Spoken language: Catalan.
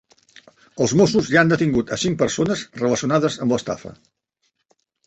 Els Mossos ja han detingut a cinc persones relacionades amb l'estafa